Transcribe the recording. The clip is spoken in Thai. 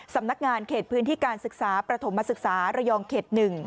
สำนักงานเขตพื้นที่การศึกษาประถมศึกษาระยองเขต๑